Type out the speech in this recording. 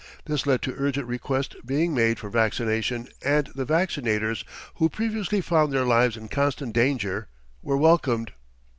This led to urgent request being made for vaccination and the vaccinators who previously found their lives in constant danger were welcomed."